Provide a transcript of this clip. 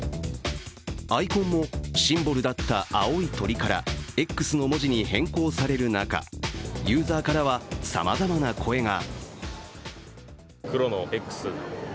アイコンも、シンボルだった青い鳥からＸの文字に変更される中、ユーザーからはさまざまな声が。